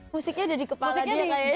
musiknya ada di kepala dia kayaknya